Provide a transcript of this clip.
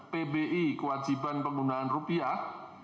pbi kewajiban penggunaan rupiah